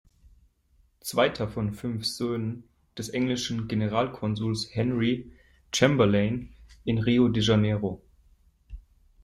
Zweiter von fünf Söhnen des englischen Generalkonsuls Henry Chamberlain in Rio de Janeiro.